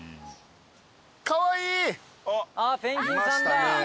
あっペンギンさんだ。